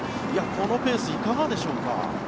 このペース、いかがですか？